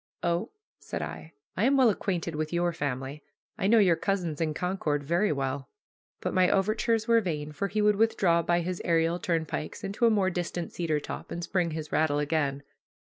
"Oh," said I, "I am well acquainted with your family. I know your cousins in Concord very well." But my overtures were vain, for he would withdraw by his aerial turnpikes into a more distant cedar top, and spring his rattle again.